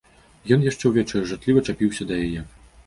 Ён яшчэ ўвечары жартліва чапіўся да яе.